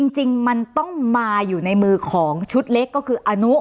จริงมันต้องมาอยู่ในมือของชุดเล็กก็คืออนุ